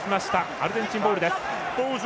アルゼンチンボールです。